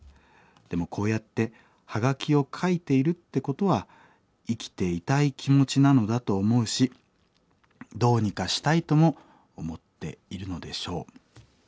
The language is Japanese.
でもこうやってはがきを書いているってことは生きていたい気持ちなのだと思うしどうにかしたいとも思っているのでしょう」。